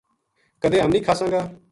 کدے ہم نیہہ کھاساں گا